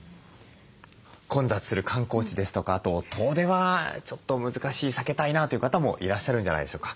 混雑する観光地ですとかあと遠出はちょっと難しい避けたいなという方もいらっしゃるんじゃないでしょうか。